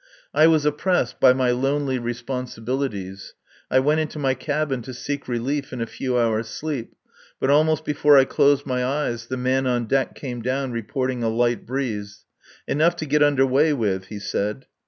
I was oppressed by my lonely responsibilities. I went into my cabin to seek relief in a few hours' sleep, but almost before I closed my eyes the man on deck came down reporting a light breeze. Enough to get under way with, he said.